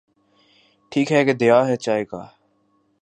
ٹھیک ہے کہ دیا ہے چائے کا۔۔۔